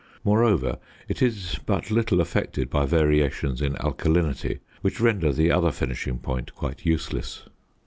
Moreover, it is but little affected by variations in alkalinity, which render the other finishing point quite useless.